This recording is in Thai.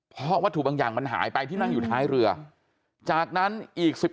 เพราะวัตถุบางอย่างมันหายไปที่นั่งอยู่ท้ายเรือจากนั้นอีก๑๑